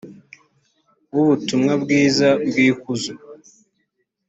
w ubutumwa bwiza bw ikuzo